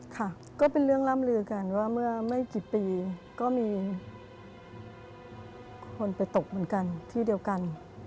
ค่ะก็เป็นเรื่องล่ำลือกันว่าเมื่อไม่กี่ปีก็มีคนไปตกเหมือนกันที่เดียวกัน